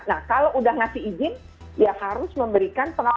nah kalau udah ngasih izin ya harus memberikan pengawasan